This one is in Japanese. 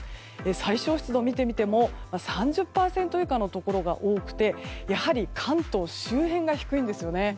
最小湿度を見てみても３０％以下のところが多くて関東周辺が低いんですよね。